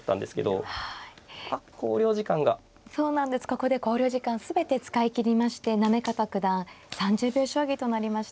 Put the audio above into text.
ここで考慮時間全て使い切りまして行方九段３０秒将棋となりました。